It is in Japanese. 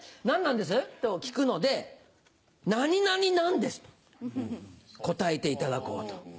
「何なんです？」と聞くので「何々ナンデス」と答えていただこうと。